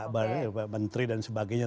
banyak dari beberapa menteri dan sebagainya